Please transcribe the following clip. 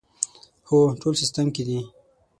هو، ټول سیسټم کې دي